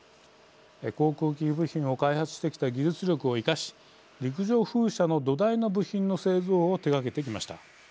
航空機部品を開発してきた技術力を生かし陸上風車の土台の部品の製造を手がけてきました。